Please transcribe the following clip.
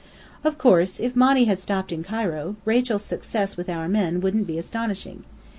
Of course, if Monny had stopped in Cairo, Rachel's success with our men wouldn't be astonishing.